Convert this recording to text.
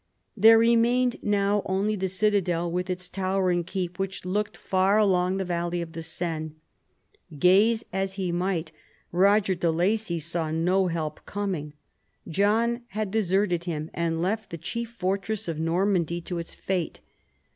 There remained now only the citadel with its towering keep, which looked far along the valley of the Seine. Gaze as he might, Boger de Lacy saw no help coming. John had deserted him, and left the chief fortress of Normandy to its fate.